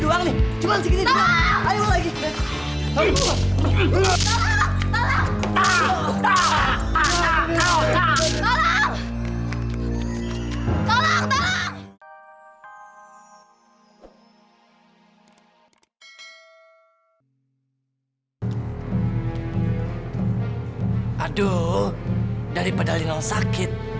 aduh daripada linol sakit